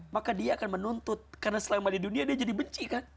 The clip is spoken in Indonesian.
maka dia akan menuntut karena selama di dunia dia jadi benci kan